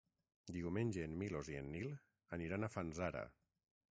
Diumenge en Milos i en Nil aniran a Fanzara.